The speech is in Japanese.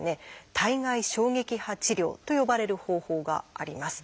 「体外衝撃波治療」と呼ばれる方法があります。